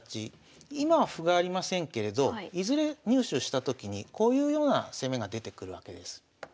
今は歩がありませんけれどいずれ入手したときにこういうような攻めが出てくるわけです。